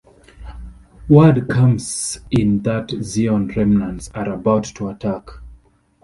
Word comes in that Zeon remnants are about to attack.